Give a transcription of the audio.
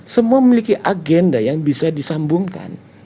semua memiliki agenda yang bisa disambungkan